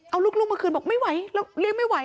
เอาลูกมาคืนบอกไม่ไหวแล้วเลี้ยงไม่ไหว